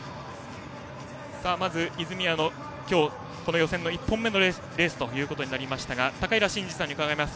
まず泉谷の予選の１本目のレースでしたが高平慎士さんに伺います。